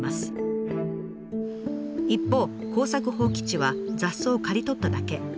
一方耕作放棄地は雑草を刈り取っただけ。